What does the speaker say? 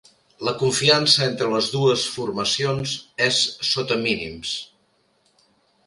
La confiança entre les dues formacions és sota mínims.